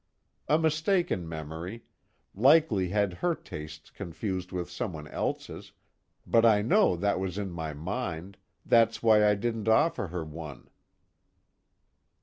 A mistaken memory likely had her tastes confused with someone else's but I know that was in my mind, that's why I didn't offer her one."